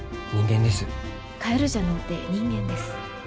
「カエルじゃのうて人間です」。